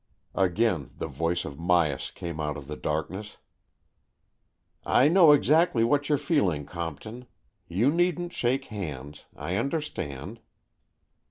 Again the voice of Myas came out of the darkness —" I know exactly what you're feeling, Compton. You needn't shake hands. I understand."